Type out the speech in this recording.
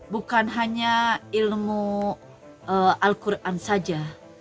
bukan hanya ilmu al quran saja